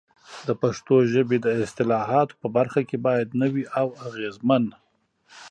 د پښتو ژبې د اصطلاحاتو په برخه کې باید نوي او اغېزمن